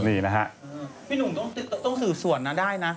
พี่หนุ่มต้องสืบสวนนะได้นะ